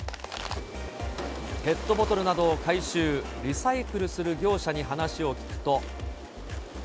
ペットボトルなどを回収、リサイクルする業者に話を聞くと。